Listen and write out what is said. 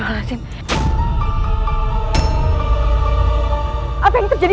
aku akan menambah putraku